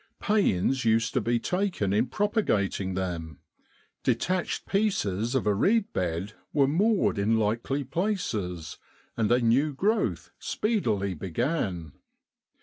Pains used to be taken in propagating them; detatched pieces of a reed bed were moored in likely places, and a new growth speedily began.